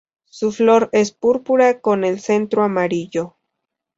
Su flor es púrpura con el centro amarillo.